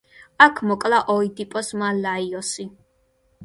აქ მოკლა ოიდიპოსმა ლაიოსი.